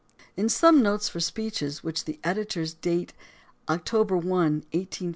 In some notes for speeches, which the editors date October 1, 1858